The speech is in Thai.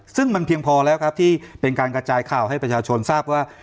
ซึ่งมันเพียงพอแล้วครับที่เป็นการกระจายข่าวให้ประชาชนทราบว่า